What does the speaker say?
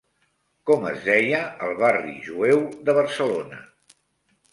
Com es deia el barri jueu de Barcelona?